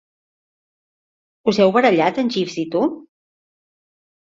Us heu barallat en Jeeves i tu?